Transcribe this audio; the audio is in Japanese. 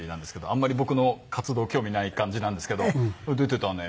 あんまり僕の活動興味ない感じなんですけど「出てたね。